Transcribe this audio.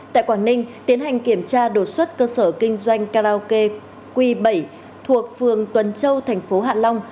tại quảng ninh tiến hành kiểm tra đột xuất cơ sở kinh doanh karaoke q bảy thuộc phường tuần châu thành phố hạ long